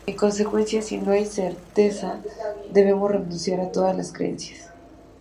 En consecuencia, si no hay certeza, debemos renunciar a todas las creencias.